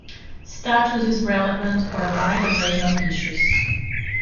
Status is relevant for a wide array of issues.